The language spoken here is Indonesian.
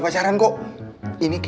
ke lemparan lah ya